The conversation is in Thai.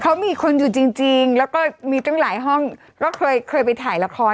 เขามีคนอยู่จริงแล้วก็มีตั้งหลายห้องก็เคยเคยไปถ่ายละคร